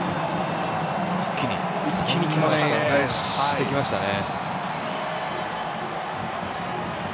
一気にきましたね。